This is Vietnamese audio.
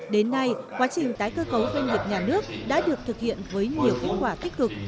đến nay quá trình tái cơ cấu doanh nghiệp nhà nước đã được thực hiện với nhiều kết quả tích cực